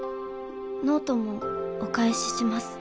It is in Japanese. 「ノートもお返しします」